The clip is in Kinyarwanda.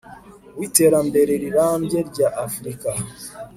w iterambere rirambye rya afurika